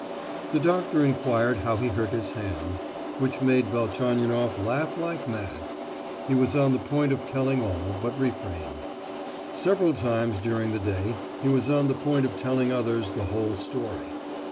The doctor inquired how he hurt his hand, which made Velchaninoff laugh like mad; he was on the point of telling all, but refrained. Several times during the day he was on the point of telling others the whole story.